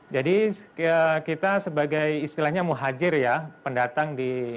jadi kita sebagai istilahnya muhajir ya pendatang di indonesia